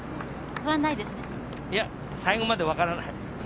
いや最後までわからない。